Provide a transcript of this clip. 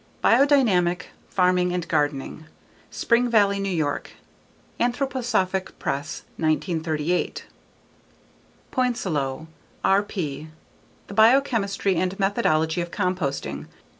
_Biodynamic Farming and Gardening. _Spring Valley, New York: Anthroposophic Press, 1938. Poincelot, R.P. _The Biochemistry and Methodology of Composting.